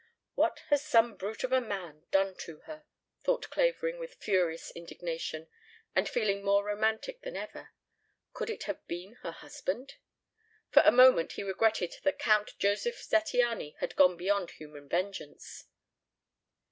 "What has some brute of a man done to her?" thought Clavering with furious indignation, and feeling more romantic than ever. Could it have been her husband? For a moment he regretted that Count Josef Zattiany had gone beyond human vengeance.